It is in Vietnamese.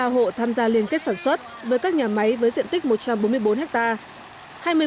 ba mươi hộ tham gia liên kết sản xuất với các nhà máy với diện tích một trăm bốn mươi bốn hectare